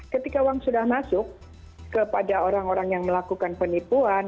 ketika uang sudah masuk kepada orang orang yang melakukan penipuan